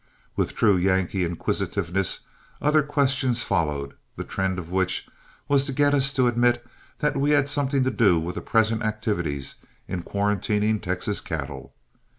With true Yankee inquisitiveness, other questions followed, the trend of which was to get us to admit that we had something to do with the present activities in quarantining Texas cattle.